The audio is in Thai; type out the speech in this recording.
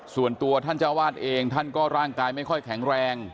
ส่วนตัวท่านเจ้าวาดเองท่านก็ร่างกายไม่ค่อยแข็งแรง